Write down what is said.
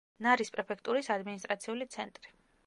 ნარის პრეფექტურის ადმინისტრაციული ცენტრი.